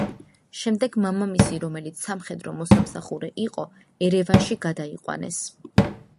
შემდეგ მამამისი, რომელიც სამხედრო მოსამსახურე იყო, ერევანში გადაიყვანეს.